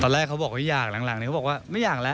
แรกเขาบอกว่าอยากหลังเขาบอกว่าไม่อยากแล้ว